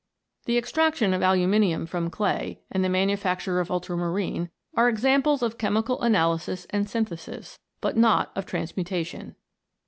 The extraction of aluminium from clay, and the manufacture of ultramarine, are examples of che mical analysis and synthesis, but not of transmuta tion.